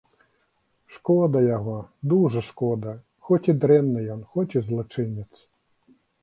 Шкода яго, дужа шкода, хоць і дрэнны ён, хоць і злачынец.